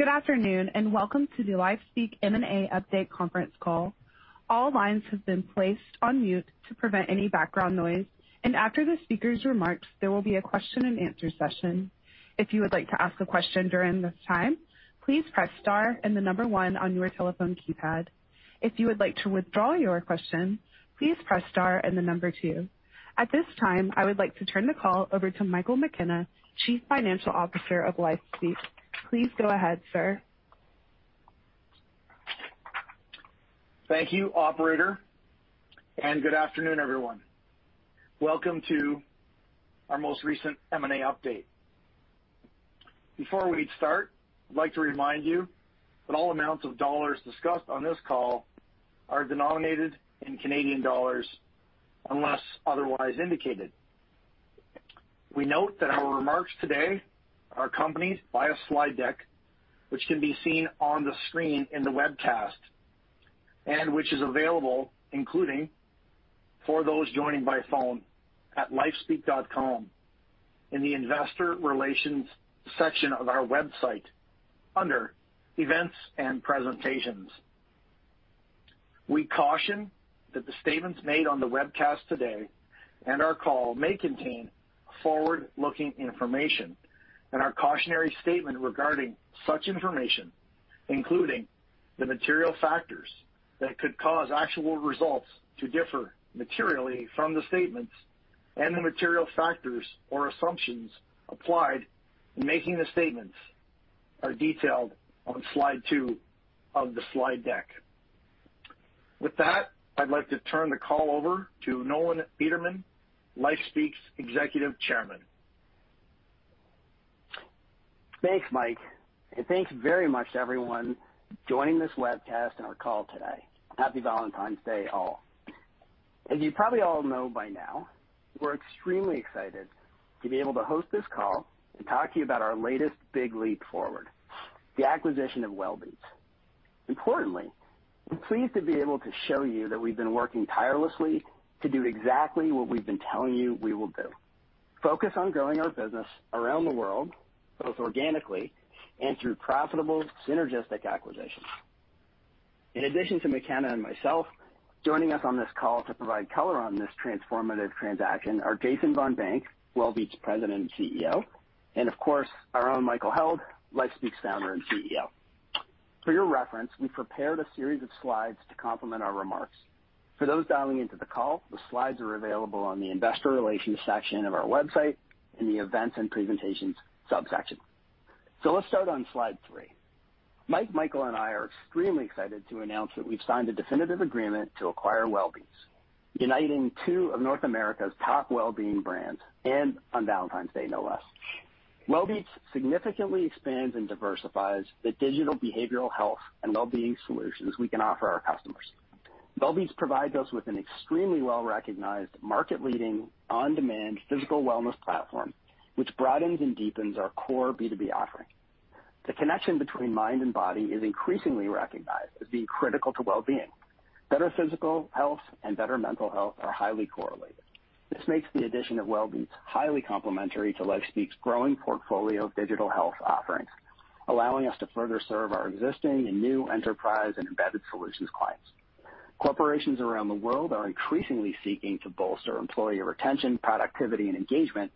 Good afternoon, and welcome to the LifeSpeak M&A Update Conference Call. All lines have been placed on mute to prevent any background noise. After the speaker's remarks, there will be a question-and-answer session. If you would like to ask a question during this time, please press star and the number one on your telephone keypad. If you would like to withdraw your question, please press star and the number two. At this time, I would like to turn the call over to Michael McKenna, Chief Financial Officer of LifeSpeak. Please go ahead, sir. Thank you, operator, and good afternoon, everyone. Welcome to our most recent M&A update. Before we start, I'd like to remind you that all amounts of dollars discussed on this call are denominated in Canadian dollars unless otherwise indicated. We note that our remarks today are accompanied by a slide deck, which can be seen on the screen in the webcast and which is available, including for those joining by phone, at lifespeak.com in the Investor Relations section of our website under Events and Presentations. We caution that the statements made on the webcast today and our call may contain forward-looking information and our cautionary statement regarding such information, including the material factors that could cause actual results to differ materially from the statements and the material factors or assumptions applied in making the statements, are detailed on slide two of the slide deck. With that, I'd like to turn the call over to Nolan Bederman, LifeSpeak's Executive Chairman. Thanks, Mike, and thanks very much to everyone joining this webcast and our call today. Happy Valentine's Day, all. As you probably all know by now, we're extremely excited to be able to host this call and talk to you about our latest big leap forward, the acquisition of Wellbeats. Importantly, we're pleased to be able to show you that we've been working tirelessly to do exactly what we've been telling you we will do, focus on growing our business around the world, both organically and through profitable synergistic acquisitions. In addition to McKenna and myself, joining us on this call to provide color on this transformative transaction are Jason Von Bank, Wellbeats President and CEO, and of course, our own Michael Held, LifeSpeak's Founder and CEO. For your reference, we prepared a series of slides to complement our remarks. For those dialing into the call, the slides are available on the Investor Relations section of our website in the Events and Presentations subsection. Let's start on slide three. Mike, Michael, and I are extremely excited to announce that we've signed a definitive agreement to acquire Wellbeats, uniting two of North America's top well-being brands, and on Valentine's Day, no less. Wellbeats significantly expands and diversifies the digital behavioral health and well-being solutions we can offer our customers. Wellbeats provides us with an extremely well-recognized, market-leading, on-demand physical wellness platform, which broadens and deepens our core B2B offering. The connection between mind and body is increasingly recognized as being critical to well-being. Better physical health and better mental health are highly correlated. This makes the addition of Wellbeats highly complementary to LifeSpeak's growing portfolio of digital health offerings, allowing us to further serve our existing and new enterprise and embedded solutions clients. Corporations around the world are increasingly seeking to bolster employee retention, productivity, and engagement,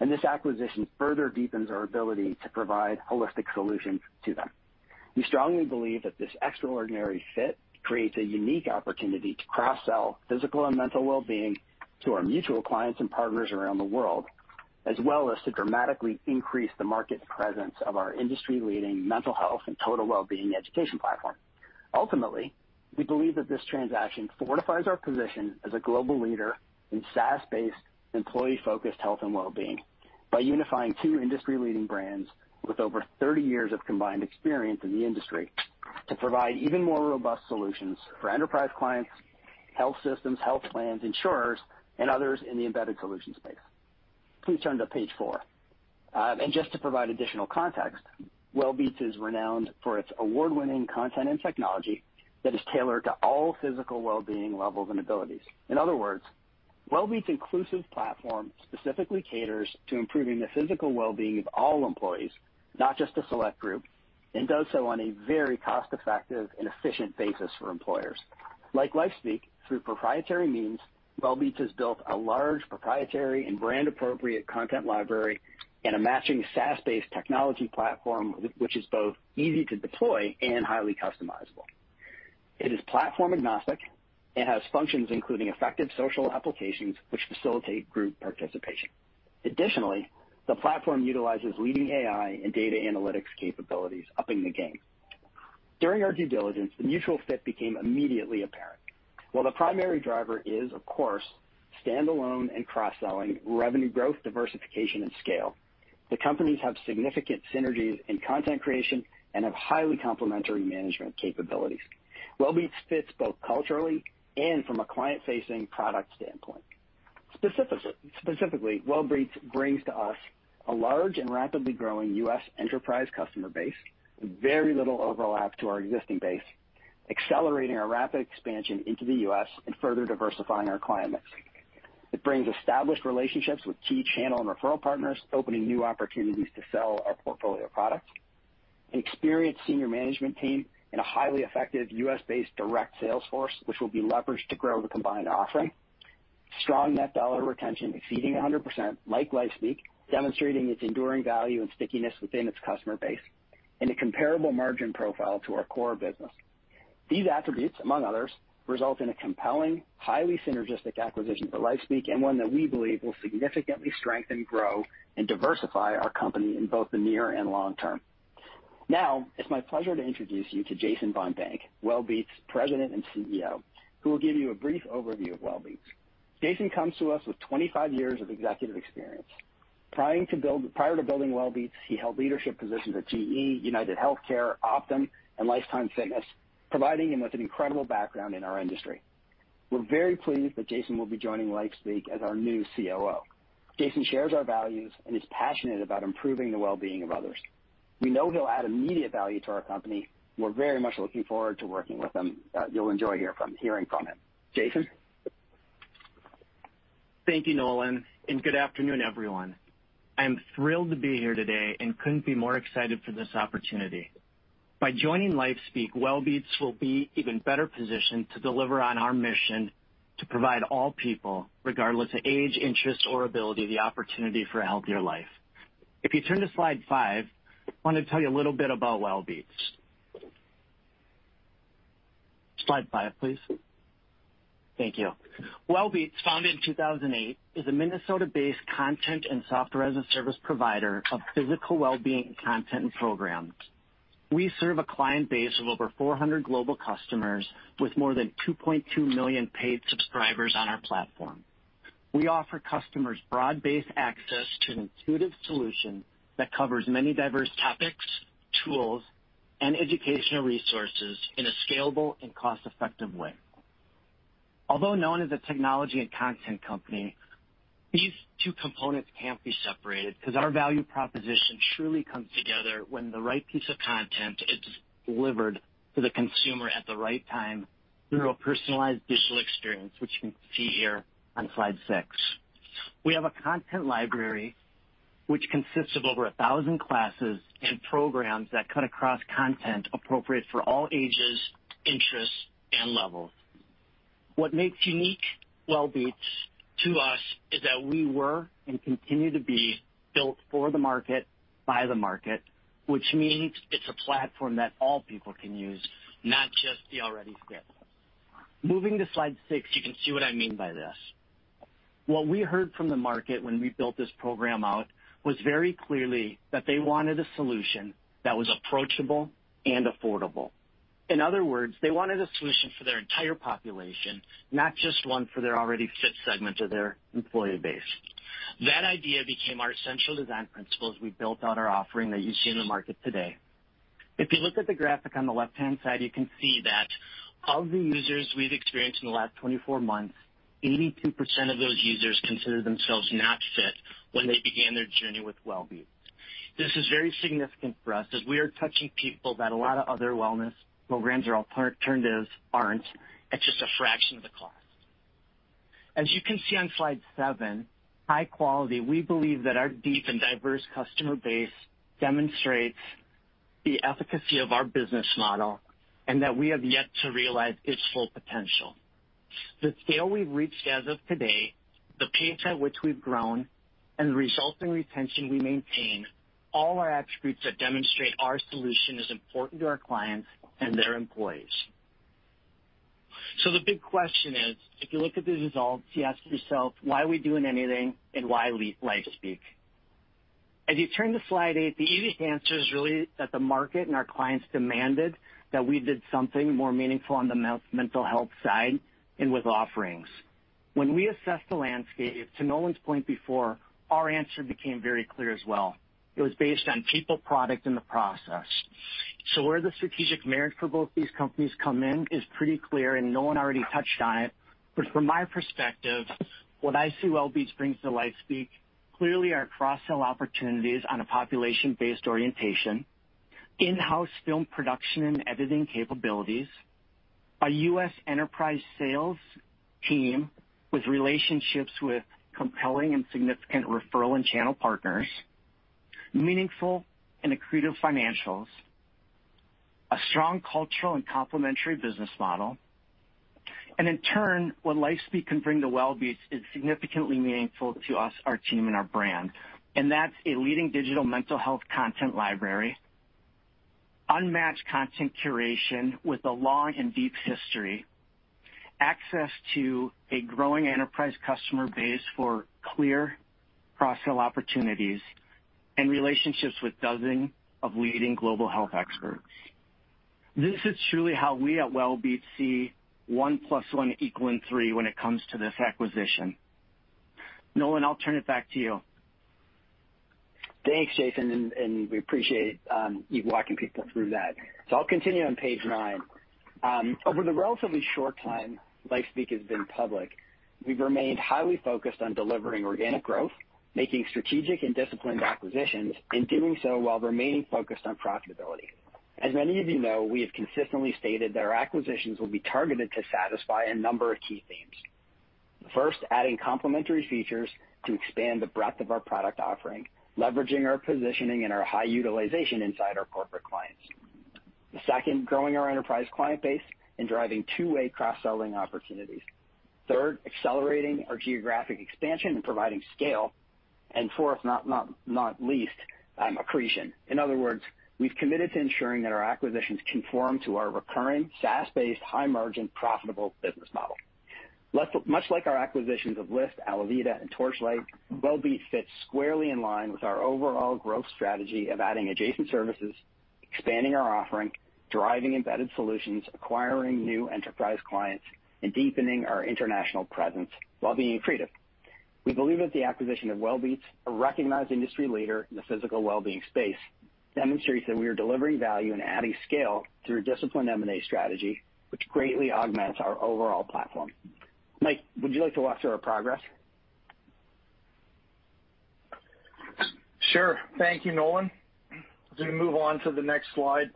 and this acquisition further deepens our ability to provide holistic solutions to them. We strongly believe that this extraordinary fit creates a unique opportunity to cross-sell physical and mental well-being to our mutual clients and partners around the world, as well as to dramatically increase the market presence of our industry-leading mental health and total well-being education platform. Ultimately, we believe that this transaction fortifies our position as a global leader in SaaS-based, employee-focused health and well-being by unifying two industry-leading brands with over 30 years of combined experience in the industry to provide even more robust solutions for enterprise clients, health systems, health plans, insurers, and others in the embedded solutions space. Please turn to page four. Just to provide additional context, Wellbeats is renowned for its award-winning content and technology that is tailored to all physical well-being levels and abilities. In other words, Wellbeats' inclusive platform specifically caters to improving the physical well-being of all employees, not just a select group, and does so on a very cost-effective and efficient basis for employers. Like LifeSpeak, through proprietary means, Wellbeats has built a large proprietary and brand-appropriate content library and a matching SaaS-based technology platform, which is both easy to deploy and highly customizable. It is platform-agnostic. It has functions including effective social applications which facilitate group participation. Additionally, the platform utilizes leading AI and data analytics capabilities, upping the game. During our due diligence, the mutual fit became immediately apparent. While the primary driver is, of course, standalone and cross-selling revenue growth, diversification, and scale, the companies have significant synergies in content creation and have highly complementary management capabilities. Wellbeats fits both culturally and from a client-facing product standpoint. Specifically, Wellbeats brings to us a large and rapidly growing U.S. enterprise customer base with very little overlap to our existing base, accelerating our rapid expansion into the U.S. and further diversifying our client mix. It brings established relationships with key channel and referral partners, opening new opportunities to sell our portfolio of products. An experienced senior management team and a highly effective U.S.-based direct sales force, which will be leveraged to grow the combined offering. Strong net dollar retention exceeding 100%, like LifeSpeak, demonstrating its enduring value and stickiness within its customer base, and a comparable margin profile to our core business. These attributes, among others, result in a compelling, highly synergistic acquisition for LifeSpeak, and one that we believe will significantly strengthen, grow, and diversify our company in both the near and long term. Now, it's my pleasure to introduce you to Jason Von Bank, Wellbeats President and CEO, who will give you a brief overview of Wellbeats. Jason comes to us with 25 years of executive experience. Prior to building Wellbeats, he held leadership positions at GE, UnitedHealthcare, Optum, and Life Time, providing him with an incredible background in our industry. We're very pleased that Jason will be joining LifeSpeak as our new COO. Jason shares our values and is passionate about improving the wellbeing of others. We know he'll add immediate value to our company. We're very much looking forward to working with him. You'll enjoy hearing from him. Jason? Thank you, Nolan, and good afternoon, everyone. I'm thrilled to be here today and couldn't be more excited for this opportunity. By joining LifeSpeak, Wellbeats will be even better positioned to deliver on our mission to provide all people, regardless of age, interest, or ability, the opportunity for a healthier life. If you turn to slide five, I wanna tell you a little bit about Wellbeats. Slide five, please. Thank you. Wellbeats, founded in 2008, is a Minnesota-based content and software-as-a-service provider of physical wellbeing content and programs. We serve a client base of over 400 global customers with more than 2.2 million paid subscribers on our platform. We offer customers broad-based access to an intuitive solution that covers many diverse topics, tools, and educational resources in a scalable and cost-effective way. Although known as a technology and content company, these two components can't be separated 'cause our value proposition truly comes together when the right piece of content is delivered to the consumer at the right time through a personalized digital experience, which you can see here on slide six. We have a content library which consists of over 1,000 classes and programs that cut across content appropriate for all ages, interests, and levels. What makes Wellbeats unique to us is that we were and continue to be built for the market by the market, which means it's a platform that all people can use, not just the already fit. Moving to slide six, you can see what I mean by this. What we heard from the market when we built this program out was very clearly that they wanted a solution that was approachable and affordable. In other words, they wanted a solution for their entire population, not just one for their already fit segment of their employee base. That idea became our central design principle as we built out our offering that you see in the market today. If you look at the graphic on the left-hand side, you can see that of the users we've experienced in the last 24 months, 82% of those users consider themselves not fit when they began their journey with Wellbeats. This is very significant for us as we are touching people that a lot of other wellness programs or alternatives aren't at just a fraction of the cost. As you can see on slide seven, high quality, we believe that our deep and diverse customer base demonstrates the efficacy of our business model and that we have yet to realize its full potential. The scale we've reached as of today, the pace at which we've grown, and the resulting retention we maintain, all are attributes that demonstrate our solution is important to our clients and their employees. The big question is, if you look at the results, you ask yourself, "Why are we doing anything, and why LifeSpeak?" As you turn to slide eight, the easy answer is really that the market and our clients demanded that we did something more meaningful on the mental health side and with offerings. When we assessed the landscape, to Nolan's point before, our answer became very clear as well. It was based on people, product, and the process. Where the strategic merit for both these companies come in is pretty clear, and Nolan already touched on it. From my perspective, what I see Wellbeats brings to LifeSpeak clearly are cross-sell opportunities on a population-based orientation, in-house film production and editing capabilities, a U.S. enterprise sales team with relationships with compelling and significant referral and channel partners, meaningful and accretive financials, a strong cultural and complementary business model. In turn, what LifeSpeak can bring to Wellbeats is significantly meaningful to us, our team, and our brand. That's a leading digital mental health content library, unmatched content curation with a long and deep history, access to a growing enterprise customer base for clear cross-sell opportunities, and relationships with dozens of leading global health experts. This is truly how we at Wellbeats see one plus one equaling three when it comes to this acquisition. Nolan, I'll turn it back to you. Thanks, Jason, we appreciate you walking people through that. I'll continue on page nine. Over the relatively short time LifeSpeak has been public, we've remained highly focused on delivering organic growth, making strategic and disciplined acquisitions, and doing so while remaining focused on profitability. As many of you know, we have consistently stated that our acquisitions will be targeted to satisfy a number of key themes. First, adding complementary features to expand the breadth of our product offering, leveraging our positioning and our high utilization inside our corporate clients. The second, growing our enterprise client base and driving two-way cross-selling opportunities. Third, accelerating our geographic expansion and providing scale. And fourth, not least, accretion. In other words, we've committed to ensuring that our acquisitions conform to our recurring SaaS-based, high-margin, profitable business model. Much like our acquisitions of LIFT, ALAViDA, and Torchlight, Wellbeats fits squarely in line with our overall growth strategy of adding adjacent services, expanding our offering, driving embedded solutions, acquiring new enterprise clients, and deepening our international presence while being accretive. We believe that the acquisition of Wellbeats, a recognized industry leader in the physical wellbeing space, demonstrates that we are delivering value and adding scale through a disciplined M&A strategy, which greatly augments our overall platform. Mike, would you like to walk through our progress? Sure. Thank you, Nolan. As we move on to the next slide,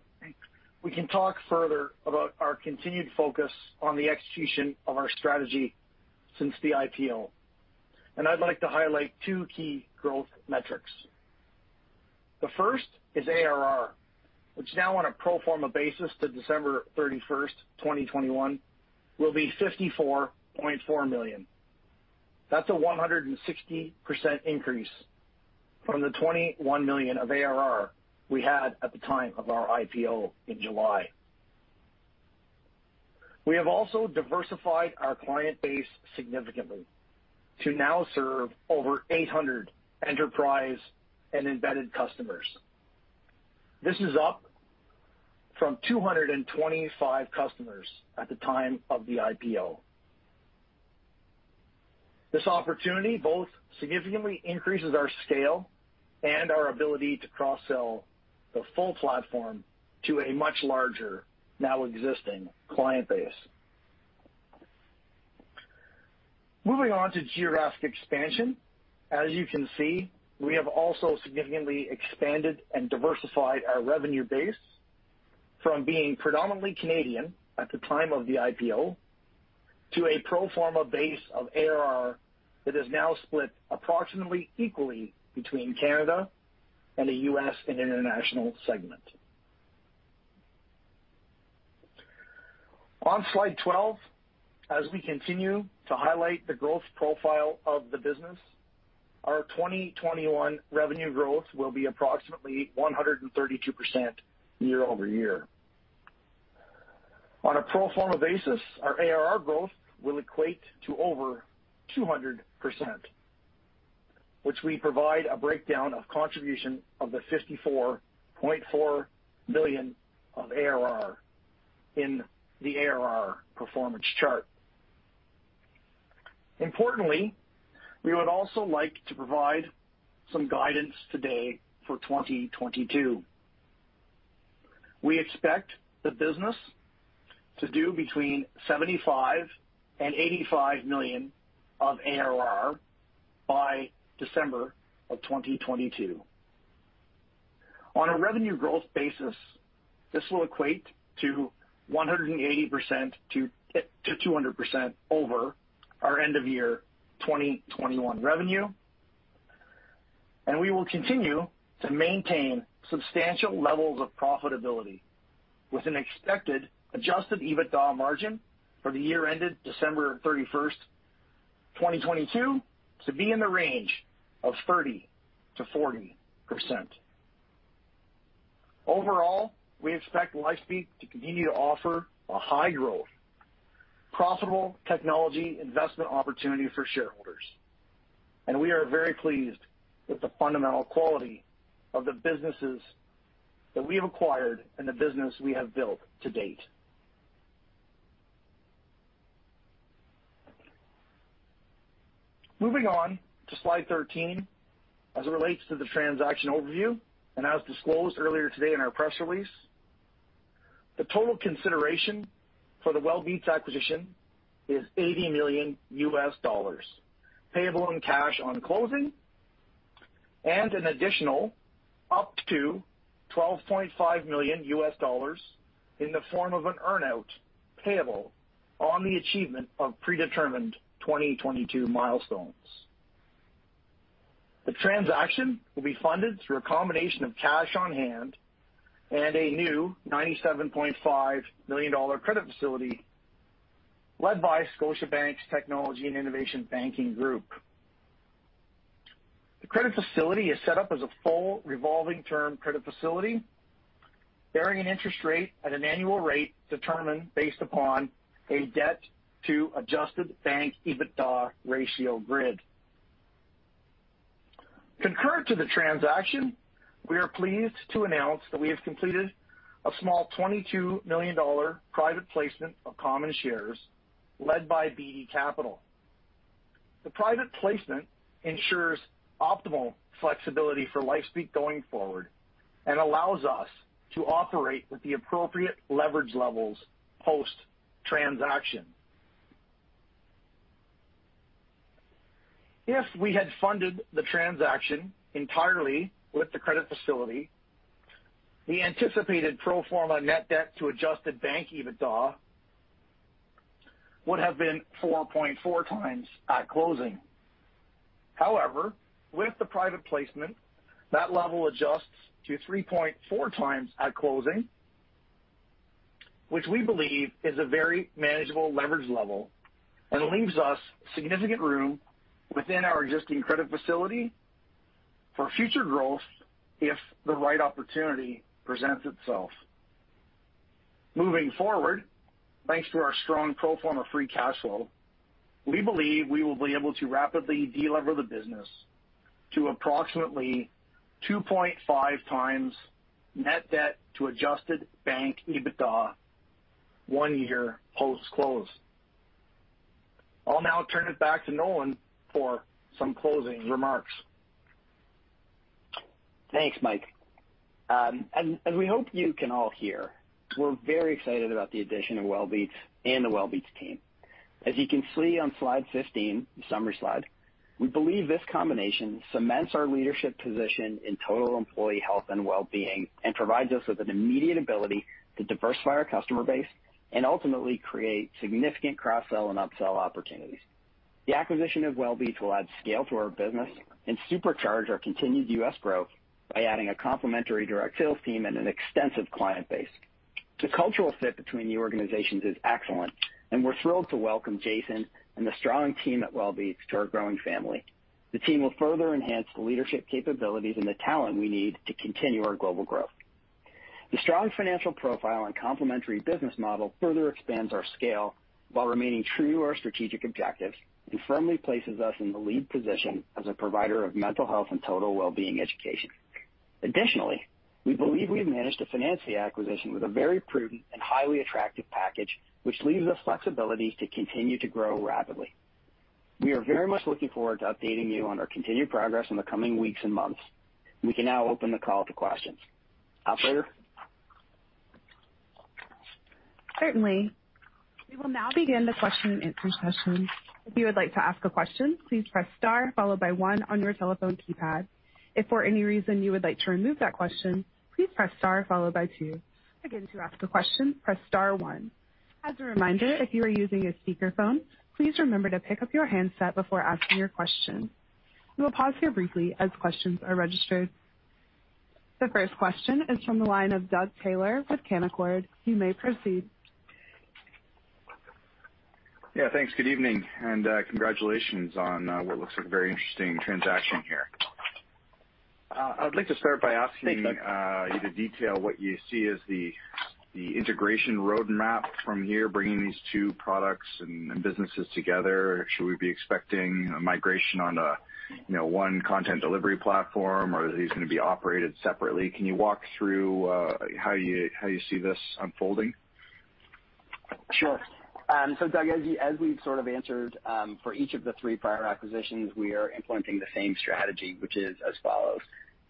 we can talk further about our continued focus on the execution of our strategy since the IPO, and I'd like to highlight two key growth metrics. The first is ARR, which now on a pro forma basis to December 31st, 2021, will be 54.4 million. That's a 160% increase from the 21 million of ARR we had at the time of our IPO in July. We have also diversified our client base significantly to now serve over 800 enterprise and embedded customers. This is up from 225 customers at the time of the IPO. This opportunity both significantly increases our scale and our ability to cross-sell the full platform to a much larger now existing client base. Moving on to geographic expansion. As you can see, we have also significantly expanded and diversified our revenue base from being predominantly Canadian at the time of the IPO to a pro forma base of ARR that is now split approximately equally between Canada and the U.S. and international segment. On slide 12, as we continue to highlight the growth profile of the business, our 2021 revenue growth will be approximately 132% year-over-year. On a pro forma basis, our ARR growth will equate to over 200%, which we provide a breakdown of contribution of the 54.4 million of ARR in the ARR performance chart. Importantly, we would also like to provide some guidance today for 2022. We expect the business to do between 75 million and 85 million of ARR by December of 2022. On a revenue growth basis, this will equate to 180%-200% over our end of year 2021 revenue, and we will continue to maintain substantial levels of profitability with an expected adjusted EBITDA margin for the year ended December 31st, 2022, to be in the range of 30%-40%. Overall, we expect LifeSpeak to continue to offer a high-growth, profitable technology investment opportunity for shareholders, and we are very pleased with the fundamental quality of the businesses that we have acquired and the business we have built to date. Moving on to slide 13, as it relates to the transaction overview and as disclosed earlier today in our press release, the total consideration for the Wellbeats acquisition is $80 million, payable in cash on closing and an additional up to $12.5 million in the form of an earn-out payable on the achievement of predetermined 2022 milestones. The transaction will be funded through a combination of cash on hand and a new 97.5 million dollar credit facility led by Scotiabank Technology and Innovation Banking Group. The credit facility is set up as a full revolving term credit facility, bearing an interest rate at an annual rate determined based upon a debt to adjusted bank EBITDA ratio grid. Concurrent to the transaction, we are pleased to announce that we have completed a small 22 million dollar private placement of common shares led by BDC Capital. The private placement ensures optimal flexibility for LifeSpeak going forward and allows us to operate with the appropriate leverage levels post-transaction. If we had funded the transaction entirely with the credit facility, the anticipated pro forma net debt to adjusted EBITDA would have been 4.4x at closing. However, with the private placement, that level adjusts to 3.4x at closing, which we believe is a very manageable leverage level and leaves us significant room within our existing credit facility for future growth if the right opportunity presents itself. Moving forward, thanks to our strong pro forma free cash flow, we believe we will be able to rapidly de-lever the business to approximately 2.5x net debt to adjusted EBITDA one year post-close. I'll now turn it back to Nolan for some closing remarks. Thanks, Mike. As we hope you can all hear, we're very excited about the addition of Wellbeats and the Wellbeats team. As you can see on slide 15, the summary slide, we believe this combination cements our leadership position in total employee health and well-being and provides us with an immediate ability to diversify our customer base and ultimately create significant cross-sell and upsell opportunities. The acquisition of Wellbeats will add scale to our business and supercharge our continued U.S. growth by adding a complementary direct sales team and an extensive client base. The cultural fit between the organizations is excellent, and we're thrilled to welcome Jason and the strong team at Wellbeats to our growing family. The team will further enhance the leadership capabilities and the talent we need to continue our global growth. The strong financial profile and complementary business model further expands our scale while remaining true to our strategic objectives and firmly places us in the lead position as a provider of mental health and total well-being education. Additionally, we believe we've managed to finance the acquisition with a very prudent and highly attractive package, which leaves us flexibility to continue to grow rapidly. We are very much looking forward to updating you on our continued progress in the coming weeks and months. We can now open the call to questions. Operator? Certainly. We will now begin the question-and-answer session. If you would like to ask a question, please press star followed by one on your telephone keypad. If for any reason you would like to remove that question, please press star followed by two. Again, to ask a question, press star one. As a reminder, if you are using a speakerphone, please remember to pick up your handset before asking your question. We will pause here briefly as questions are registered. The first question is from the line of Doug Taylor with Canaccord. You may proceed. Yeah. Thanks. Good evening and, congratulations on what looks like a very interesting transaction here. I would like to start by asking- Thanks, Doug. Want you to detail what you see as the integration roadmap from here, bringing these two products and businesses together. Should we be expecting a migration on a, you know, one content delivery platform, or are these gonna be operated separately? Can you walk through how you see this unfolding? Sure. Doug, as we've sort of answered for each of the three prior acquisitions, we are implementing the same strategy, which is as follows.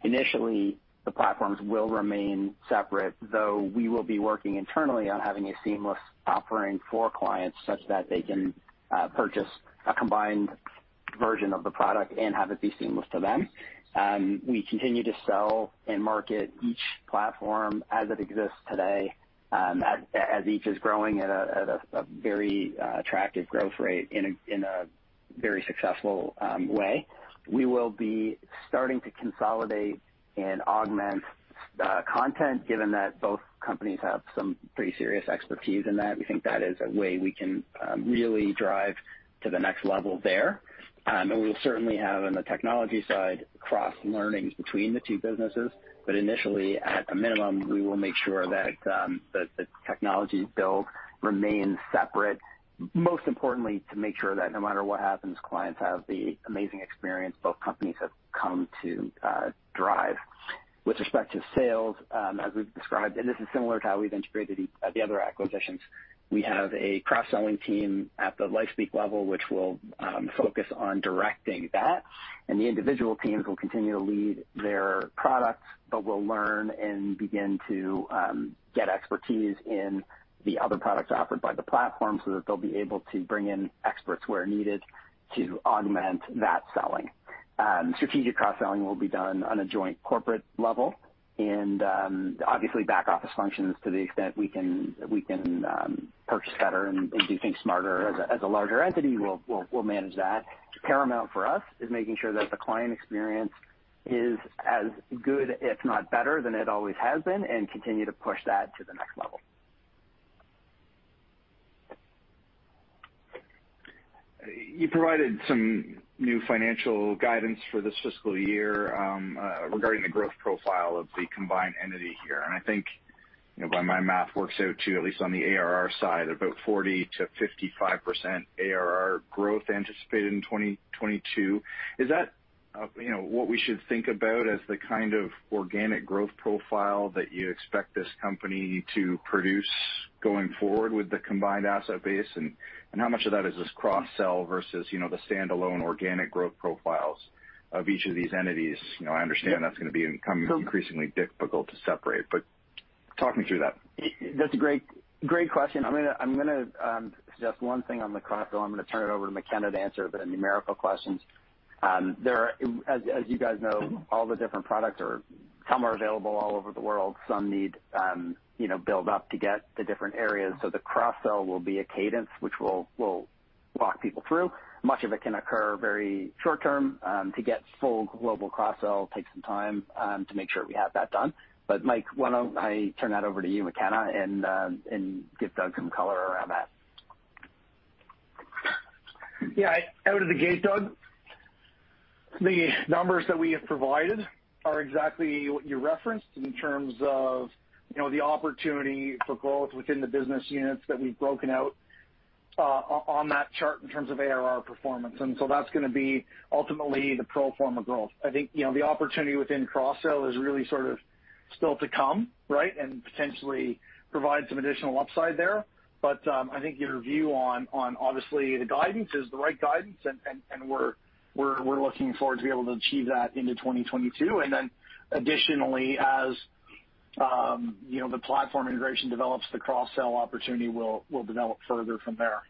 Initially, the platforms will remain separate, though we will be working internally on having a seamless offering for clients such that they can purchase a combined version of the product and have it be seamless to them. We continue to sell and market each platform as it exists today, as each is growing at a very attractive growth rate in a very successful way. We will be starting to consolidate and augment content given that both companies have some pretty serious expertise in that. We think that is a way we can really drive to the next level there. We'll certainly have, on the technology side, cross-learnings between the two businesses. Initially, at a minimum, we will make sure that the technologies built remain separate, most importantly, to make sure that no matter what happens, clients have the amazing experience both companies have come to drive. With respect to sales, as we've described, and this is similar to how we've integrated the other acquisitions, we have a cross-selling team at the LifeSpeak level, which will focus on directing that, and the individual teams will continue to lead their products, but will learn and begin to get expertise in the other products offered by the platform so that they'll be able to bring in experts where needed to augment that selling. Strategic cross-selling will be done on a joint corporate level and, obviously back office functions to the extent we can purchase better and do things smarter as a larger entity, we'll manage that. Paramount for us is making sure that the client experience is as good, if not better, than it always has been and continue to push that to the next level. You provided some new financial guidance for this fiscal year regarding the growth profile of the combined entity here. I think, you know, by my math works out to at least on the ARR side, about 40%-55% ARR growth anticipated in 2022. Is that, you know, what we should think about as the kind of organic growth profile that you expect this company to produce going forward with the combined asset base? How much of that is this cross-sell versus, you know, the standalone organic growth profiles of each of these entities? You know, I understand that's gonna become increasingly difficult to separate. Talk me through that. That's a great question. I'm gonna suggest one thing on the cross-sell. I'm gonna turn it over to McKenna to answer the numerical questions. There are as you guys know, all the different products are. Some are available all over the world, some need you know, build-up to get the different areas. The cross-sell will be a cadence, which we'll walk people through. Much of it can occur very short term. To get full global cross-sell takes some time to make sure we have that done. Mike, why don't I turn that over to you, McKenna, and give Doug some color around that. Yeah. Out of the gate, Doug, the numbers that we have provided are exactly what you referenced in terms of, you know, the opportunity for growth within the business units that we've broken out, on that chart in terms of ARR performance. That's gonna be ultimately the pro forma growth. I think, you know, the opportunity within cross-sell is really sort of still to come, right? Potentially provide some additional upside there. I think your view on obviously the guidance is the right guidance and we're looking forward to be able to achieve that into 2022. Additionally, as you know, the platform integration develops, the cross-sell opportunity will develop further from there.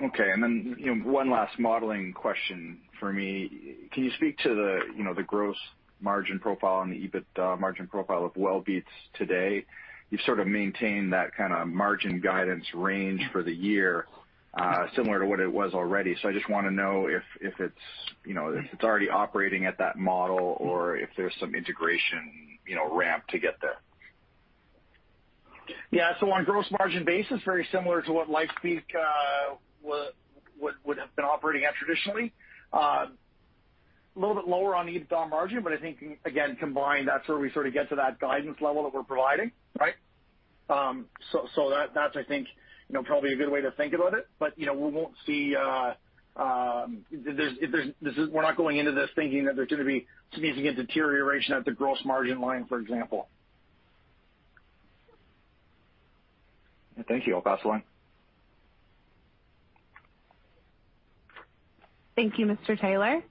Okay. You know, one last modeling question for me. Can you speak to the, you know, the gross margin profile and the EBITDA margin profile of Wellbeats today? You've sort of maintained that kinda margin guidance range for the year, similar to what it was already. I just wanna know if it's, you know, if it's already operating at that model or if there's some integration, you know, ramp to get there. Yeah. On gross margin basis, very similar to what LifeSpeak would have been operating at traditionally. A little bit lower on EBITDA margin, but I think again, combined, that's where we sort of get to that guidance level that we're providing, right? That's I think, you know, probably a good way to think about it. You know, we won't see. We're not going into this thinking that there's gonna be significant deterioration at the gross margin line, for example. Thank you. I'll pass the line. Thank you, Mr. Taylor.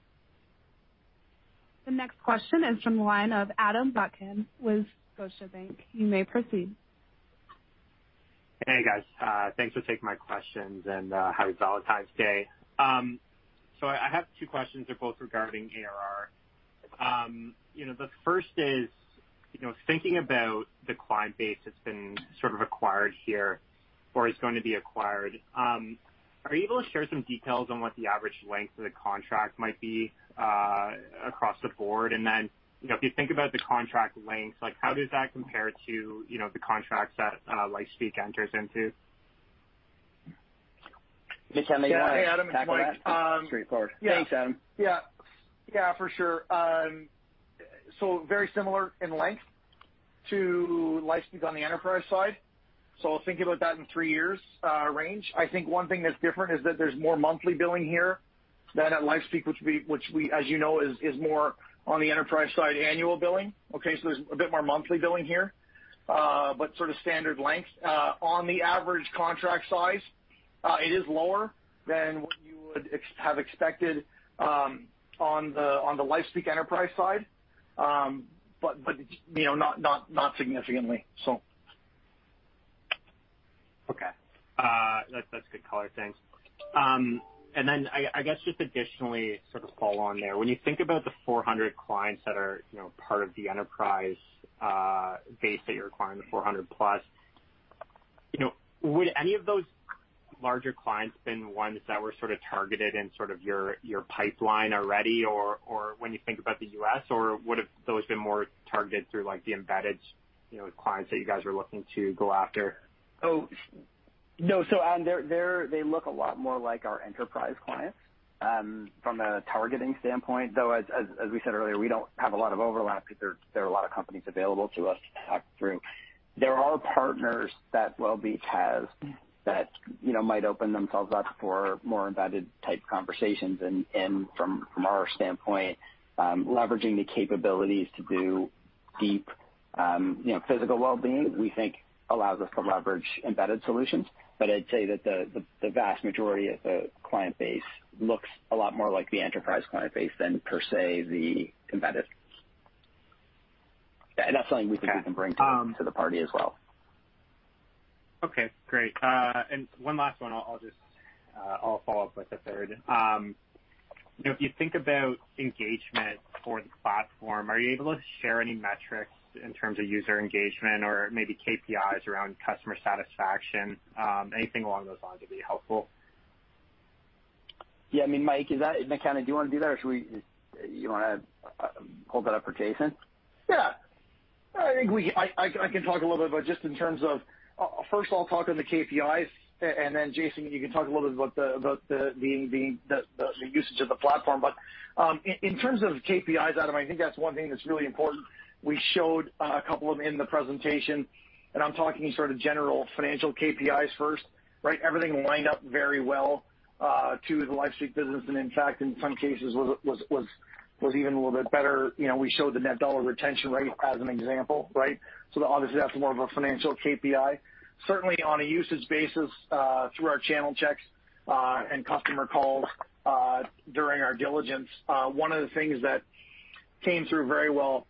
The next question is from the line of Adam Buckham with Scotiabank. You may proceed. Hey, guys. Thanks for taking my questions, and happy Valentine's Day. So I have two questions. They're both regarding ARR. You know, the first is, you know, thinking about the client base that's been sort of acquired here or is going to be acquired, are you able to share some details on what the average length of the contract might be, across the board? Then, you know, if you think about the contract lengths, like how does that compare to, you know, the contracts that LifeSpeak enters into? McKenna, you wanna tackle that? Yeah. Hey, Adam. It's Mike. Straightforward. Yeah. Thanks, Adam. Yeah. Yeah, for sure. Very similar in length to LifeSpeak on the enterprise side. Think about that in three years range. I think one thing that's different is that there's more monthly billing here than at LifeSpeak, which we as you know is more on the enterprise side annual billing. Okay? There's a bit more monthly billing here, but sort of standard length. On the average contract size, it is lower than what you would have expected on the LifeSpeak enterprise side. But you know, not significantly so. Okay. That's good color. Thanks. I guess just additionally sort of follow on there. When you think about the 400 clients that are, you know, part of the enterprise base that you're acquiring, the 400+, you know, would any of those larger clients been ones that were sort of targeted in sort of your pipeline already or when you think about the U.S., or would have those been more targeted through like the embedded, you know, clients that you guys are looking to go after? Oh, no. Adam, they look a lot more like our enterprise clients from a targeting standpoint, though as we said earlier, we don't have a lot of overlap because there are a lot of companies available to us to talk through. There are partners that Wellbeats has that, you know, might open themselves up for more embedded type conversations. From our standpoint, leveraging the capabilities to do deep, you know, physical well-being, we think allows us to leverage embedded solutions. I'd say that the vast majority of the client base looks a lot more like the enterprise client base than per se the embedded. That's something we think we can bring to the party as well. Okay, great. One last one. I'll just follow up with a third. You know, if you think about engagement for the platform, are you able to share any metrics in terms of user engagement or maybe KPIs around customer satisfaction? Anything along those lines would be helpful. Yeah. I mean, Mike, McKenna, do you wanna do that, or you wanna hold that up for Jason? Yeah. I think I can talk a little bit about just in terms of first of all, talk on the KPIs, and then Jason, you can talk a little bit about the usage of the platform. In terms of KPIs, Adam, I think that's one thing that's really important. We showed a couple of them in the presentation, and I'm talking sort of general financial KPIs first, right? Everything lined up very well to the LifeSpeak business, and in fact, in some cases was even a little bit better. You know, we showed the net dollar retention rate as an example, right? So obviously, that's more of a financial KPI. Certainly, on a usage basis through our channel checks Customer calls during our diligence. One of the things that came through very well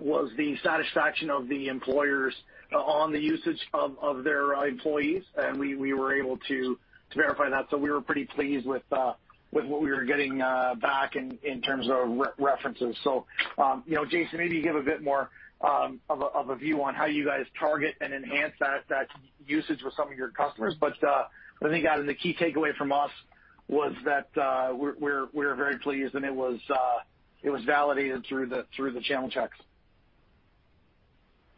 was the satisfaction of the employers on the usage of their employees, and we were able to verify that. We were pretty pleased with what we were getting back in terms of references. You know, Jason, maybe you give a bit more of a view on how you guys target and enhance that usage with some of your customers. I think the key takeaway from us was that we're very pleased, and it was validated through the channel checks.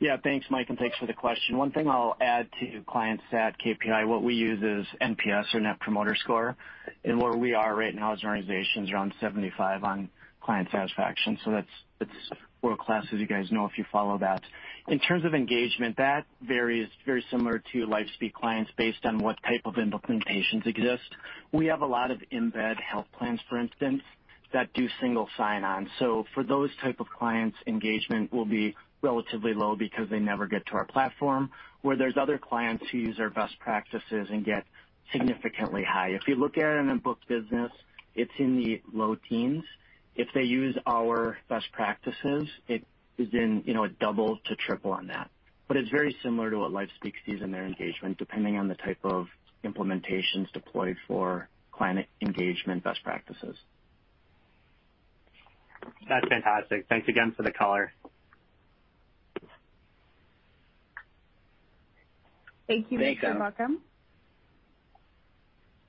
Yeah. Thanks, Mike, and thanks for the question. One thing I'll add to client satisfaction KPI, what we use is NPS or net promoter score. Where we are right now as an organization is around 75 on client satisfaction. That's world-class, as you guys know, if you follow that. In terms of engagement, that varies very similar to LifeSpeak clients based on what type of implementations exist. We have a lot of embedded health plans, for instance, that do single sign-on. For those type of clients, engagement will be relatively low because they never get to our platform. Where there's other clients who use our best practices and get significantly high. If you look at it in a booked business, it's in the low teens. If they use our best practices, it is in, you know, a double to triple on that. It's very similar to what LifeSpeak sees in their engagement, depending on the type of implementations deployed for client engagement best practices. That's fantastic. Thanks again for the color. Thank you, Mike, and welcome.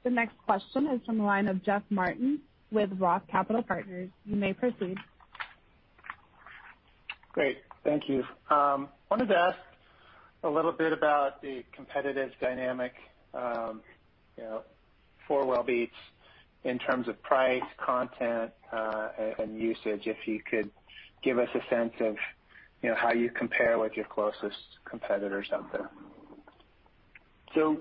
The next question is from the line of Jeff Martin with Roth Capital Partners. You may proceed. Great. Thank you. Wanted to ask a little bit about the competitive dynamic, you know, for Wellbeats in terms of price, content, and usage. If you could give us a sense of, you know, how you compare with your closest competitors out there.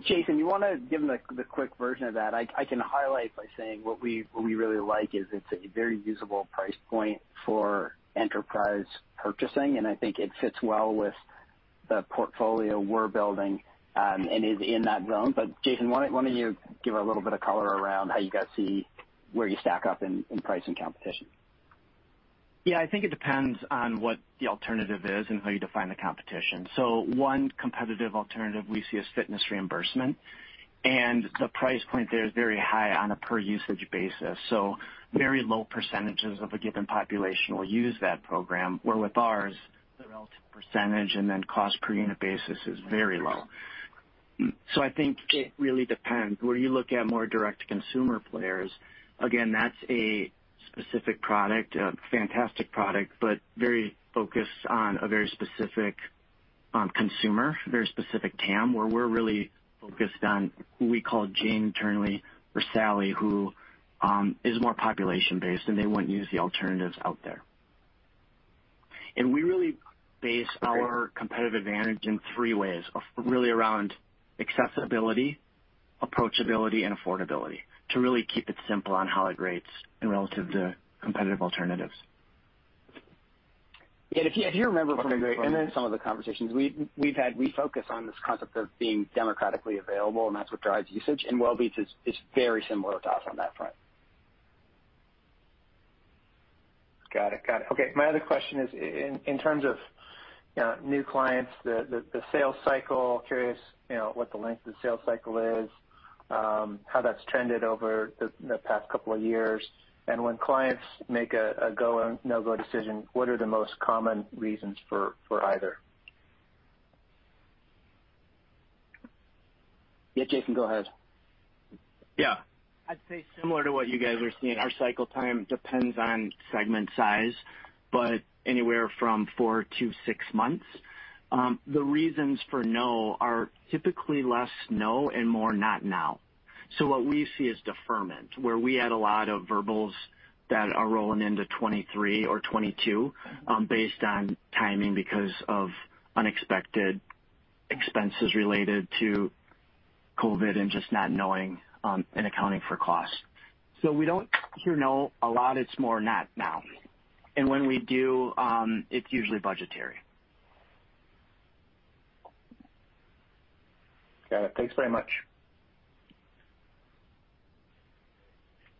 Jason, you wanna give him the quick version of that? I can highlight by saying what we really like is it's a very usable price point for enterprise purchasing, and I think it fits well with the portfolio we're building, and is in that zone. Jason, why don't you give a little bit of color around how you guys see where you stack up in price and competition? Yeah, I think it depends on what the alternative is and how you define the competition. One competitive alternative we see is fitness reimbursement, and the price point there is very high on a per usage basis. Very low percentages of a given population will use that program, where with ours, the relative percentage and then cost per unit basis is very low. I think it really depends. Where you look at more direct consumer players, again, that's a specific product, a fantastic product, but very focused on a very specific consumer, very specific TAM, where we're really focused on who we call Jane internally or Sally, who is more population-based, and they wouldn't use the alternatives out there. We really base our competitive advantage in three ways. Really around accessibility, approachability, and affordability, to really keep it simple on how it rates relative to competitive alternatives. Yeah, if you remember from some of the conversations we've had, we focus on this concept of being democratically available, and that's what drives usage. Wellbeats is very similar to us on that front. Got it. Okay. My other question is in terms of, you know, new clients, the sales cycle. I'm curious, you know, what the length of the sales cycle is, how that's trended over the past couple of years, and when clients make a go or no-go decision, what are the most common reasons for either? Yeah, Jason, go ahead. Yeah. I'd say similar to what you guys are seeing. Our cycle time depends on segment size, but anywhere from four to six months. The reasons for no are typically less no and more not now. What we see is deferment, where we had a lot of verbals that are rolling into 2023 or 2022, based on timing because of unexpected expenses related to COVID and just not knowing, and accounting for costs. We don't hear no a lot. It's more not now. When we do, it's usually budgetary. Got it. Thanks very much.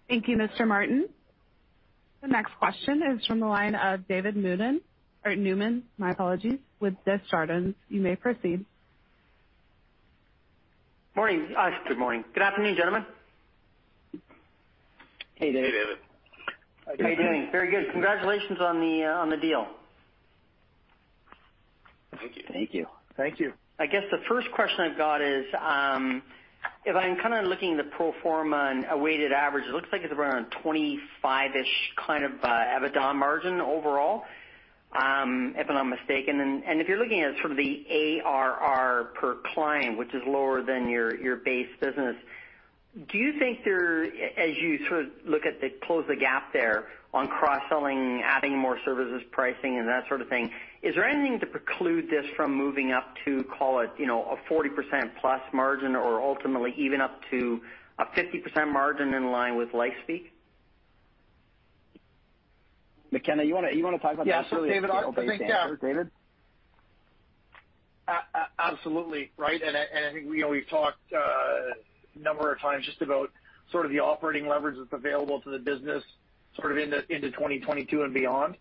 Thank you, Mr. Martin. The next question is from the line of David Newman, my apologies, with Desjardins. You may proceed. Morning. Good morning. Good afternoon, gentlemen. Hey, David. How you doing? Very good. Congratulations on the deal. Thank you. I guess the first question I've got is, if I'm kinda looking at the pro forma and a weighted average, it looks like it's around 25-ish kind of EBITDA margin overall, if I'm not mistaken. If you're looking at sort of the ARR per client, which is lower than your base business, do you think there as you sort of look at closing the gap there on cross-selling, adding more services, pricing and that sort of thing, is there anything to preclude this from moving up to call it, you know, a 40%+ margin or ultimately even up to a 50% margin in line with LifeSpeak? McKenna, you wanna talk about that. Yes. David, I think, yeah. Absolutely. Right? I think, you know, we've talked a number of times just about sort of the operating leverage that's available to the business sort of into 2022 and beyond.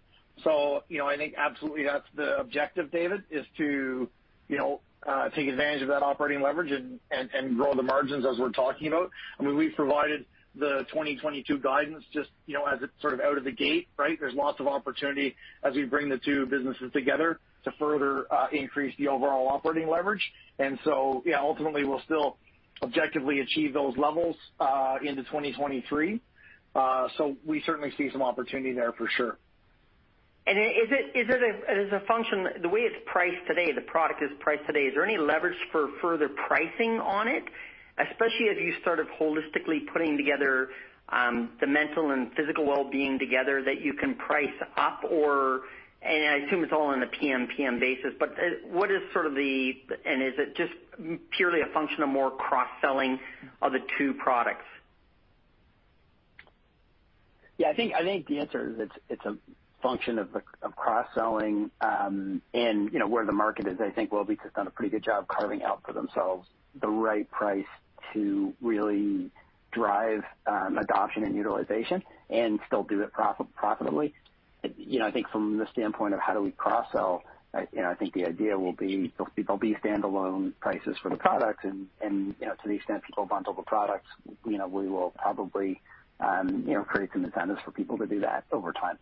You know, I think absolutely that's the objective, David, is to, you know, take advantage of that operating leverage and grow the margins as we're talking about. I mean, we've provided the 2022 guidance just, you know, as it's sort of out of the gate, right? There's lots of opportunity as we bring the two businesses together to further increase the overall operating leverage. Yeah, ultimately we'll still objectively achieve those levels into 2023. We certainly see some opportunity there for sure. Is it a function of the way it's priced today? Is there any leverage for further pricing on it, especially as you sort of holistically putting together the mental and physical well-being together that you can price up? I assume it's all on a PMPM basis, but what is sort of the? Is it just purely a function of more cross-selling of the two products? Yeah, I think the answer is it's a function of cross-selling, you know, and where the market is. I think Wellbeats has done a pretty good job carving out for themselves the right price to really drive adoption and utilization and still do it profitably. You know, I think from the standpoint of how do we cross-sell, you know, I think the idea will be there'll be standalone prices for the products and, you know, to the extent people bundle the products, you know, we will probably create some incentives for people to do that over time.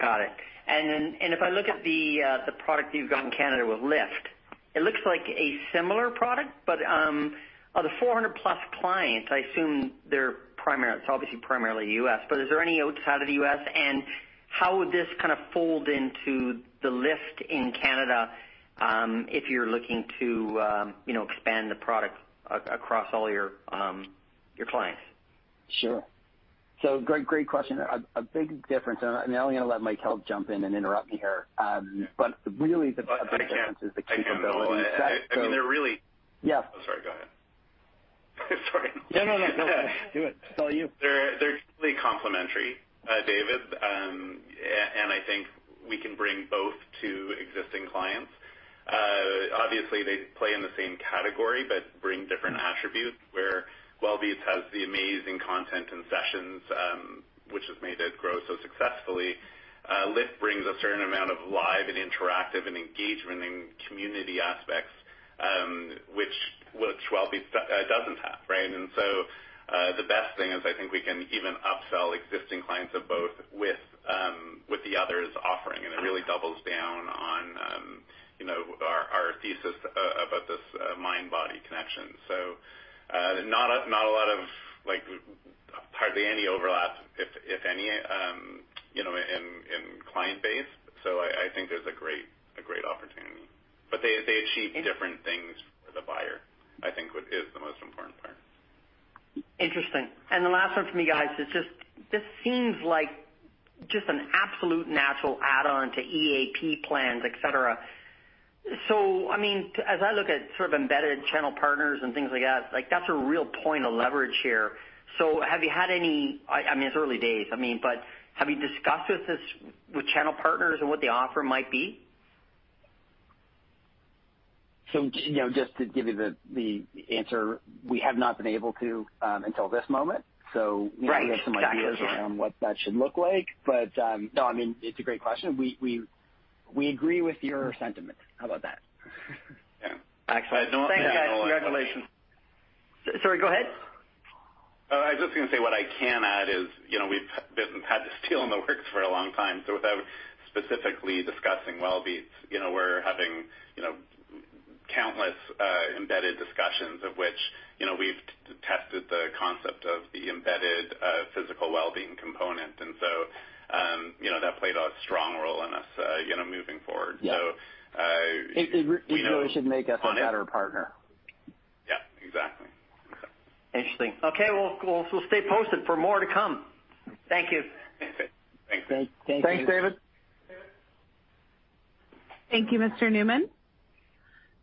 Got it. If I look at the product you've got in Canada with LIFT, it looks like a similar product, but of the 400+ clients, I assume they're primarily, it's obviously primarily U.S., but is there any outside of the U.S., and how would this kind of fold into the LIFT in Canada, if you're looking to, you know, expand the product across all your clients? Sure. Great question. A big difference, and I'm now gonna let Michael jump in and interrupt me here. I can. Difference is the capability. I can go. I mean, they're really- Yeah. Sorry, go ahead. Sorry. No, no. Go ahead. Do it. It's all you. They're completely complementary, David. I think we can bring both to existing clients. Obviously, they play in the same category, but bring different attributes, where Wellbeats has the amazing content and sessions, which has made it grow so successfully. LIFT brings a certain amount of live and interactive and engagement and community aspects, which Wellbeats doesn't have, right? The best thing is I think we can even upsell existing clients of both with the others offering, and it really doubles down on, you know, our thesis about this mind/body connection. Not a lot of like hardly any overlap, if any, you know, in client base. I think there's a great opportunity. They achieve different things for the buyer, I think what is the most important part. Interesting. The last one for me, guys, is just this seems like just an absolute natural add-on to EAP plans, et cetera. I mean, as I look at sort of embedded channel partners and things like that, like that's a real point of leverage here. Have you had any, I mean, it's early days, I mean, but have you discussed this with channel partners and what the offer might be? You know, just to give you the answer, we have not been able to until this moment. Right. Got you. Yeah. We have some ideas around what that should look like. No, I mean, it's a great question. We agree with your sentiment. How about that? Yeah. Excellent. Thank you, guys. Congratulations. Thanks. Sorry. Go ahead. I was just gonna say, what I can add is, you know, we've had this deal in the works for a long time. Without specifically discussing Wellbeats, you know, we're having, you know, countless embedded discussions of which, you know, we've tested the concept of the embedded physical well-being component. You know, that played a strong role in us, you know, moving forward. Yeah. We know. It really should make us a better partner. Yeah, exactly. Interesting. Okay, we'll stay posted for more to come. Thank you. Thanks. Thank you. Thanks, David. Thank you, Mr. Newman.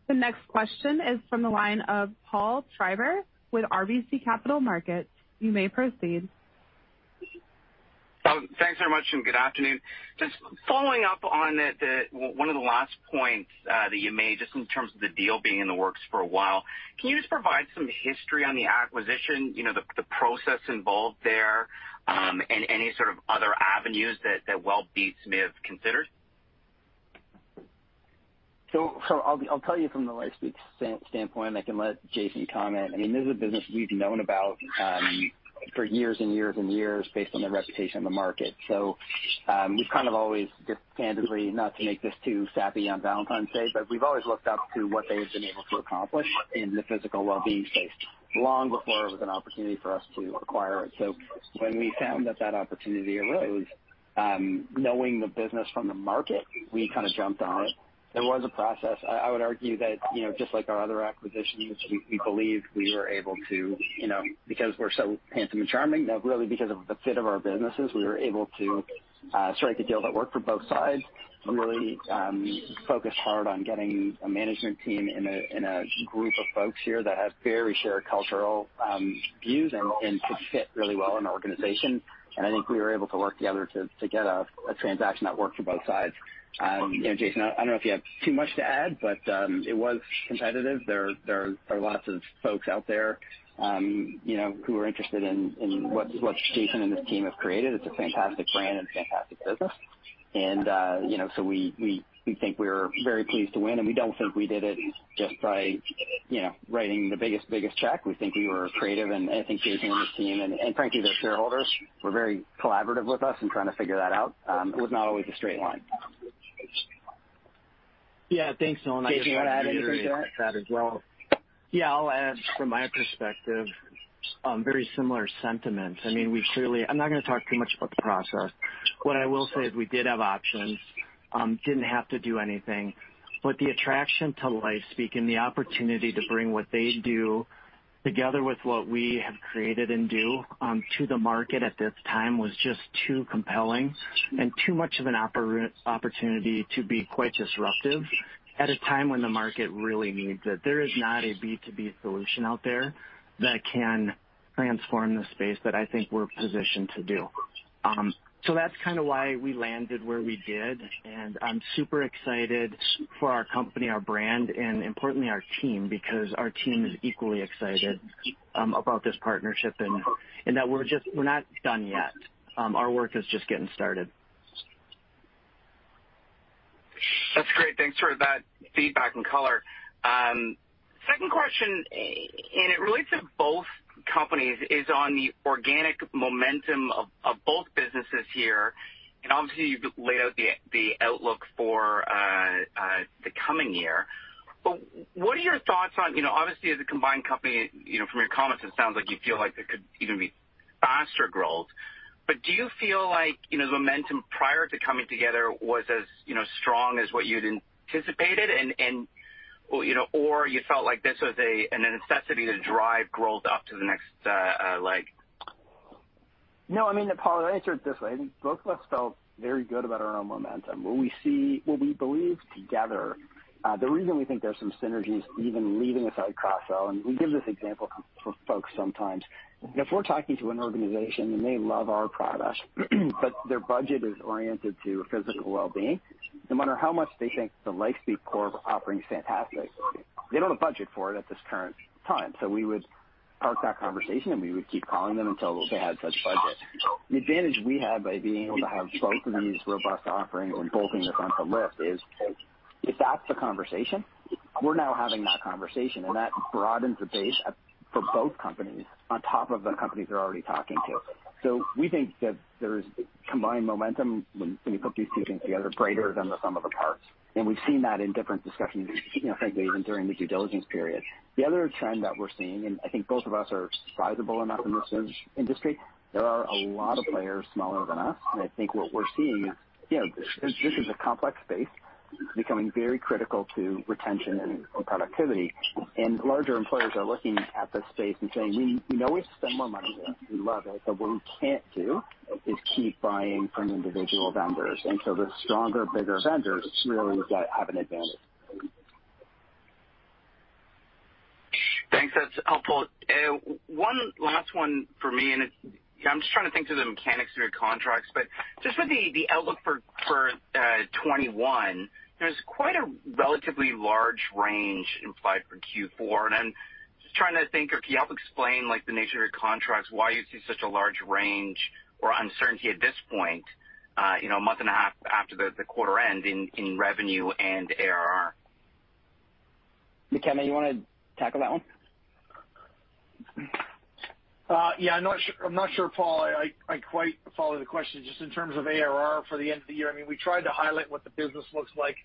The next question is from the line of Paul Treiber with RBC Capital Markets. You may proceed. Thanks very much, and good afternoon. Just following up on one of the last points that you made just in terms of the deal being in the works for a while. Can you just provide some history on the acquisition, you know, the process involved there, and any sort of other avenues that Wellbeats may have considered? I'll tell you from the LifeSpeak standpoint, and I can let Jason comment. I mean, this is a business we've known about for years and years and years based on the reputation in the market. We've kind of always just candidly, not to make this too sappy on Valentine's Day, but we've always looked up to what they've been able to accomplish in the physical well-being space long before it was an opportunity for us to acquire it. When we found that opportunity arose, knowing the business from the market, we kind of jumped on it. There was a process. I would argue that, you know, just like our other acquisitions, we believed we were able to, you know, because we're so handsome and charming. No, really, because of the fit of our businesses, we were able to strike a deal that worked for both sides and really focus hard on getting a management team and a group of folks here that have very shared cultural views and could fit really well in our organization. I think we were able to work together to get a transaction that worked for both sides. You know, Jason, I don't know if you have too much to add, but it was competitive. There are lots of folks out there, you know, who are interested in what Jason and his team have created. It's a fantastic brand and a fantastic business. You know, we think we were very pleased to win, and we don't think we did it just by, you know, writing the biggest check. We think we were creative, and I think Jason and his team and frankly, their shareholders were very collaborative with us in trying to figure that out. It was not always a straight line. Yeah. Thanks, Nolan. Jason, you want to add anything to that? I guess I'd reiterate that as well. Yeah, I'll add from my perspective, very similar sentiments. I mean, we clearly. I'm not gonna talk too much about the process. What I will say is we did have options, didn't have to do anything. The attraction to LifeSpeak and the opportunity to bring what they do together with what we have created and do, to the market at this time was just too compelling and too much of an opportunity to be quite disruptive at a time when the market really needs it. There is not a B2B solution out there that can transform the space that I think we're positioned to do. That's kind of why we landed where we did, and I'm super excited for our company, our brand, and importantly, our team, because our team is equally excited about this partnership and that we're not done yet. Our work is just getting started. That's great. Thanks for that feedback and color. Second question, and it relates to both companies, is on the organic momentum of both businesses here. Obviously, you've laid out the outlook for the coming year. What are your thoughts on, you know, obviously, as a combined company, you know, from your comments, it sounds like you feel like there could even be faster growth. Do you feel like, you know, the momentum prior to coming together was as, you know, strong as what you'd anticipated and well, you know, or you felt like this was a necessity to drive growth up to the next leg? No, I mean, Paul, I'll answer it this way. I think both of us felt very good about our own momentum. What we believe together, the reason we think there's some synergies even leaving aside cross-sell, and we give this example for folks sometimes. If we're talking to an organization and they love our product, but their budget is oriented to physical well-being, no matter how much they think the LifeSpeak core offering is fantastic, they don't have budget for it at this current time. We would park that conversation, and we would keep calling them until they had such budget. The advantage we have by being able to have both of these robust offerings and both in the front of LIFT is if that's the conversation, we're now having that conversation, and that broadens the base for both companies on top of the companies they're already talking to. We think that there's combined momentum when you put these two things together greater than the sum of the parts. We've seen that in different discussions, you know, frankly, even during the due diligence period. The other trend that we're seeing, and I think both of us are sizable enough in this industry, there are a lot of players smaller than us, and I think what we're seeing is, you know, this is a complex space becoming very critical to retention and productivity. Larger employers are looking at this space and saying, "We know we spend more money here. We love it, but what we can't do is keep buying from individual vendors." The stronger, bigger vendors really would have an advantage. Thanks. That's helpful. One last one for me. I'm just trying to think through the mechanics of your contracts. Just with the outlook for 2021, there's quite a relatively large range implied for Q4. I'm just trying to think or can you help explain like the nature of your contracts, why you see such a large range or uncertainty at this point, you know, a month and a half after the quarter end in revenue and ARR? McKenna, you wanna tackle that one? Yeah. I'm not sure, Paul, I don't quite follow the question just in terms of ARR for the end of the year. I mean, we tried to highlight what the business looks like,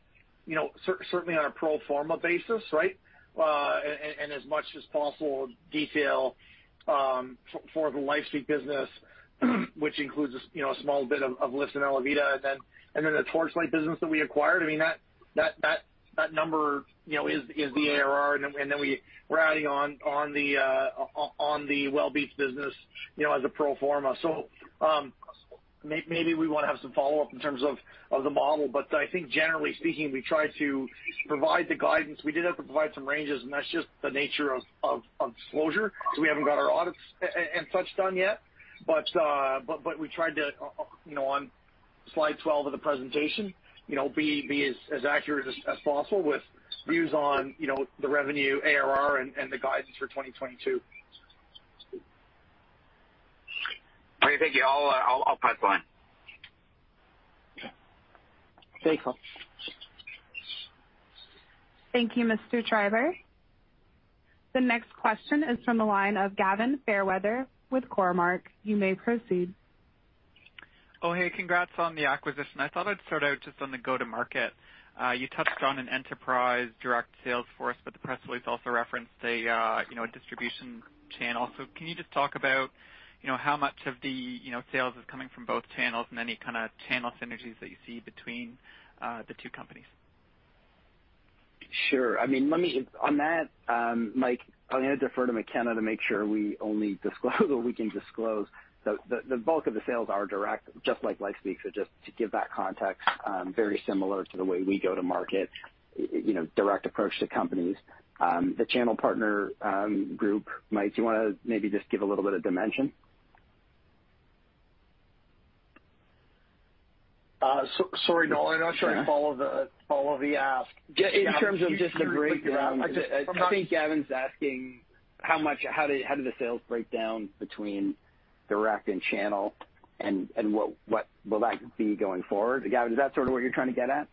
you know, certainly on a pro forma basis, right? And as much detail as possible for the LifeSpeak business, which includes, you know, a small bit of LIFT and ALAViDA and then the Torchlight business that we acquired. I mean, that number, you know, is the ARR. Then we're adding on the Wellbeats business, you know, as a pro forma. Maybe we wanna have some follow-up in terms of the model. But I think generally speaking, we try to provide the guidance. We did have to provide some ranges, and that's just the nature of disclosure. We haven't got our audits and such done yet. We tried to, you know, on slide 12 of the presentation, you know, be as accurate as possible with views on, you know, the revenue, ARR and the guidance for 2022. Okay. Thank you. I'll pipeline. Okay. Thanks, Paul. Thank you, Mr. Treiber. The next question is from the line of Gavin Fairweather with Cormark. You may proceed. Oh, hey, congrats on the acquisition. I thought I'd start out just on the go-to-market. You touched on an enterprise direct sales force, but the press release also referenced a, you know, a distribution channel. So can you just talk about, you know, how much of the, you know, sales is coming from both channels and any kinda channel synergies that you see between the two companies? Sure. I mean, on that, Mike, I'm gonna defer to McKenna to make sure we only disclose what we can disclose. The bulk of the sales are direct, just like LifeSpeak. So just to give that context, very similar to the way we go to market, you know, direct approach to companies. The channel partner group, Mike, do you wanna maybe just give a little bit of dimension? Sorry, Nolan, I'm not sure I follow the ask. In terms of just the breakdown. I think Gavin's asking how do the sales break down between direct and channel and what will that be going forward? Gavin, is that sort of what you're trying to get at?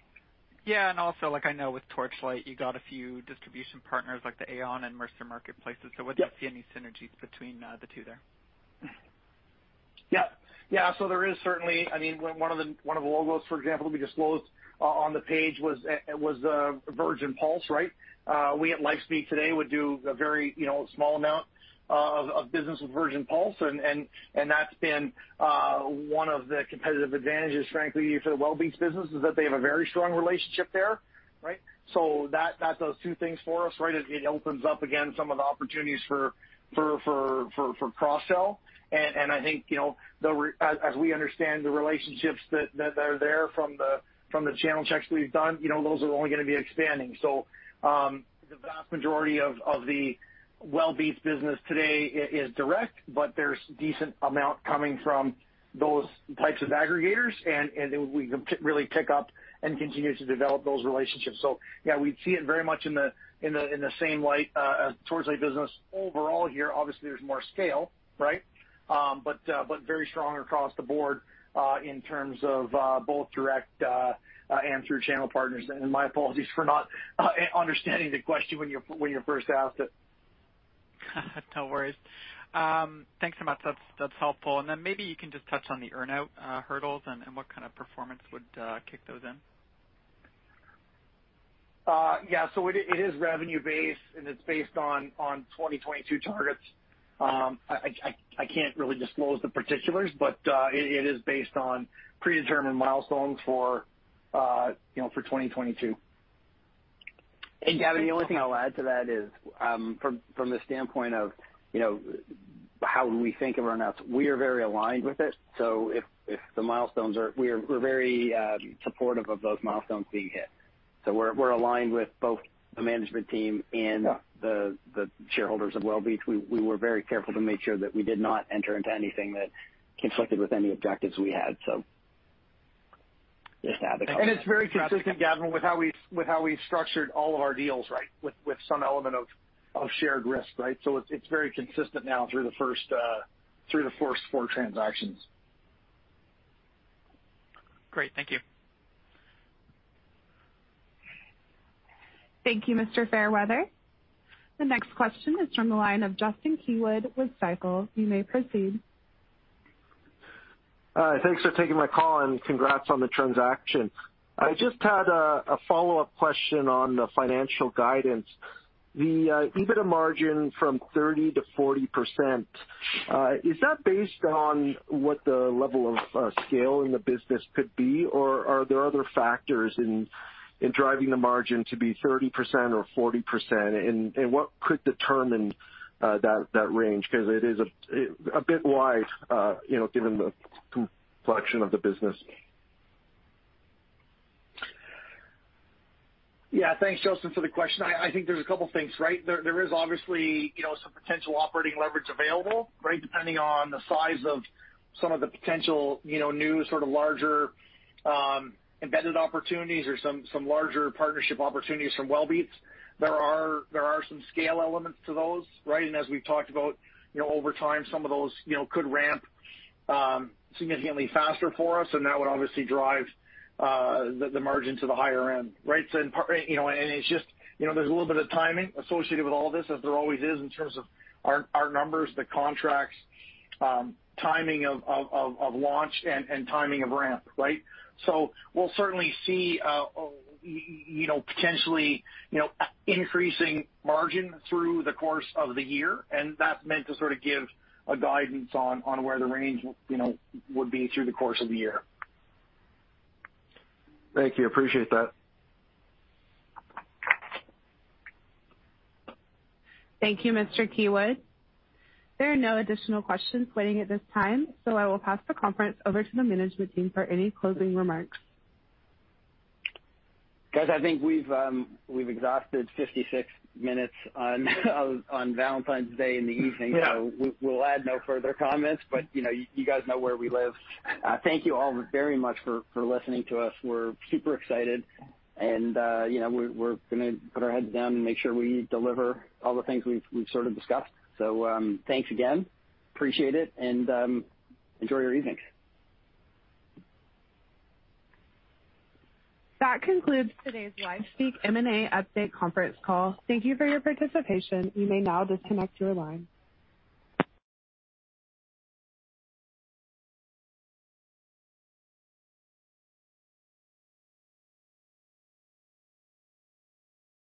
Yeah. Also, like I know with Torchlight, you got a few distribution partners like the Aon and Mercer marketplaces. Yep. Would you see any synergies between the two there? There is certainly, I mean, one of the logos, for example, we disclosed on the page was Virgin Pulse, right? We at LifeSpeak today would do a very, you know, small amount of business with Virgin Pulse and that's been one of the competitive advantages, frankly, for the Wellbeats business, is that they have a very strong relationship there, right? That does two things for us, right? It opens up again some of the opportunities for cross-sell. I think, you know, as we understand the relationships that are there from the channel checks we've done, you know, those are only gonna be expanding. The vast majority of the Wellbeats business today is direct, but there's a decent amount coming from those types of aggregators, and we can really pick up and continue to develop those relationships. Yeah, we see it very much in the same light as Torchlight business overall here. Obviously, there's more scale, right? But very strong across the board in terms of both direct and through channel partners. My apologies for not understanding the question when you first asked it. No worries. Thanks so much. That's helpful. Maybe you can just touch on the earn-out hurdles and what kind of performance would kick those in? Yeah. It is revenue-based, and it's based on 2022 targets. I can't really disclose the particulars, but it is based on predetermined milestones for you know for 2022. Gavin, the only thing I'll add to that is, from the standpoint of, you know, how we think of earn-outs, we are very aligned with it. If the milestones are, we're very supportive of those milestones being hit. We're aligned with both the management team and- Yeah. The shareholders of Wellbeats. We were very careful to make sure that we did not enter into anything that conflicted with any objectives we had. Just to add the color. It's very consistent, Gavin, with how we've structured all of our deals, right? With some element of shared risk, right? It's very consistent now through the first four transactions. Great. Thank you. Thank you, Mr. Fairweather. The next question is from the line of Justin Keywood with Stifel. You may proceed. Thanks for taking my call, and congrats on the transaction. I just had a follow-up question on the financial guidance. The EBITDA margin from 30%-40%, is that based on what the level of scale in the business could be, or are there other factors in driving the margin to be 30% or 40%? What could determine that range? 'Cause it is a bit wide, you know, given the complexion of the business. Yeah. Thanks, Justin, for the question. I think there's a couple things, right? There is obviously, you know, some potential operating leverage available, right? Depending on the size of some of the potential, you know, new sort of larger embedded opportunities or some larger partnership opportunities from Wellbeats. There are some scale elements to those, right? As we've talked about, you know, over time, some of those, you know, could ramp significantly faster for us, and that would obviously drive the margin to the higher end, right? In part, you know, and it's just, you know, there's a little bit of timing associated with all this, as there always is in terms of our numbers, the contracts, timing of launch and timing of ramp, right? We'll certainly see, you know, potentially, you know, increasing margin through the course of the year, and that's meant to sort of give a guidance on where the range, you know, would be through the course of the year. Thank you. Appreciate that. Thank you, Mr. Keywood. There are no additional questions waiting at this time, so I will pass the conference over to the management team for any closing remarks. Guys, I think we've exhausted 56 minutes on Valentine's Day in the evening. Yeah. We'll add no further comments, but you know, you guys know where we live. Thank you all very much for listening to us. We're super excited and, you know, we're gonna put our heads down and make sure we deliver all the things we've sort of discussed. Thanks again. Appreciate it, and enjoy your evenings. That concludes today's LifeSpeak M&A update conference call. Thank you for your participation. You may now disconnect your line.